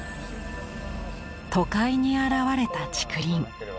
都会に現れた竹林。